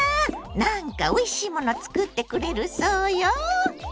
なんかおいしいもの作ってくれるそうよ！